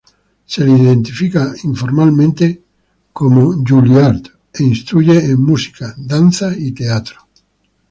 Se le identifica informalmente como Juilliard, e instruye en música, danza y teatro.